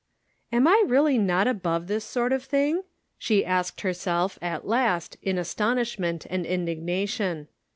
"Am I really not above this sort of thing?" she asked herself, at last, in astonishment and indignation.